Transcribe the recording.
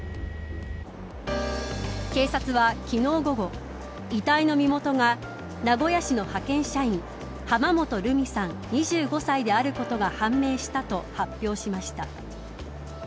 警察は、昨日午後遺体の身元が名古屋市の派遣社員浜本涙美さん２５歳であることが判明したと発表しました。